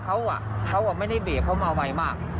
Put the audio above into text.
แต่ว่าเขาไม่ได้เบรกเขามาไวมาก